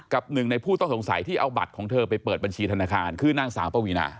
หนึ่งในผู้ต้องสงสัยที่เอาบัตรของเธอไปเปิดบัญชีธนาคารคือนางสาวปวีนา